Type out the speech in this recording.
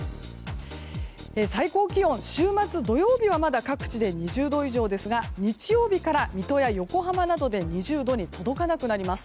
最高気温、週末土曜日はまだ各地で２０度以上ですが日曜日から水戸や横浜などで２０度に届かなくなります。